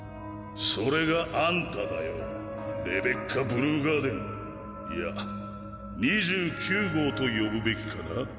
それがあんただよレベッカ・ブルーガーデンいや２９号と呼ぶべきかな？